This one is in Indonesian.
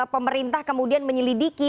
pemerintah kemudian menyelidiki